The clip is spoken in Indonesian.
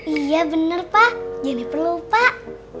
iya benar pak jadi perlu pak